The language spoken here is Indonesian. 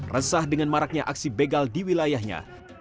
resah dengan maraknya aksi begal di wilayahnya